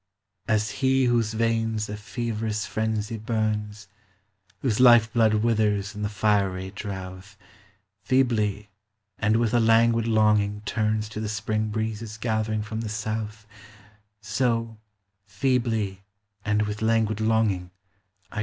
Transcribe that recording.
As he whose veins a feverous frenzy burns, Whose life blood withers in the fiery drouth, Feebly and with a languid longing turns To the spring breezes gathering from the south, So, feebly and with languid longing, I LABOR AND REST.